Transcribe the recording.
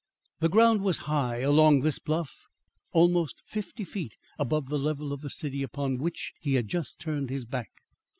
The ground was high along this bluff; almost fifty feet above the level of the city upon, which he had just turned his back.